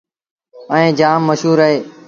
ائيٚݩ جآم مشهور اهي